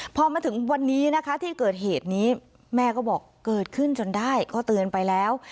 พอมาถึงวันนี้นะคะที่เกิดเหตุนี้แม่ก็บอกเกิดขึ้นจนได้ก็เตือนไปแล้ว